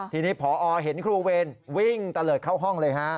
ทีนี้พอเห็นครูเวรวิ่งตะเลิศเข้าห้องเลยฮะ